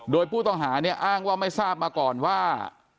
โดยผู้ต้องหาเนี่ยอ้างว่าไม่ทราบมาก่อนว่า